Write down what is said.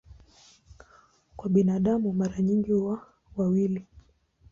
Kwa binadamu mara nyingi huwa wawili.